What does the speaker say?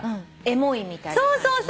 エモいみたいな感じの？